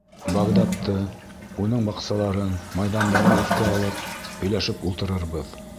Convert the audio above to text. Бағдадты, уның баҡсаларын, майҙандарын иҫкә алып, һөйләшеп ултырырбыҙ.